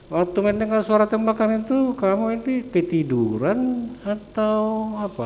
waktu mendengar suara tembakan itu kamu ini ketiduran atau apa